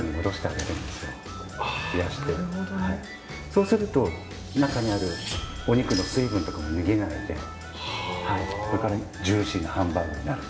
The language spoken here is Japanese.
そうすると、中にあるお肉の水分とかが逃げないでジューシーなハンバーグになる。